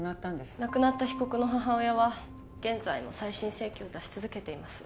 亡くなった被告の母親は現在も再審請求を出し続けてます